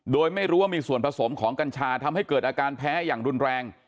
โดยไม่รู้ว่ามีส่วนผสมของกัญชาทำให้เกิดอาการแพ้อย่างรุนแรง